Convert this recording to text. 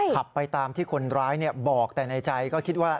ขับไปตามที่คนร้ายบอกแต่ในใจก็คิดว่า